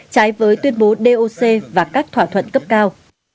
trái với tuyên bố doc và các thỏa thuận cấp cao